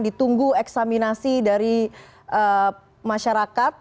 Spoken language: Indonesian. ditunggu eksaminasi dari masyarakat